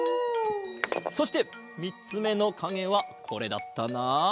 そしてみっつめのかげはこれだったな。